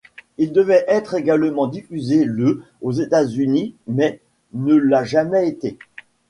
Il devait être également diffusé le aux États-Unis mais ne l'a jamais été.